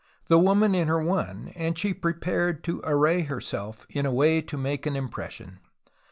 The woman in her won, and she prepared to array herself in a way to make an impression.